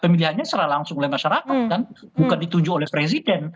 pemilihannya secara langsung oleh masyarakat dan bukan dituju oleh presiden